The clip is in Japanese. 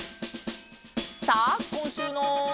さあこんしゅうの。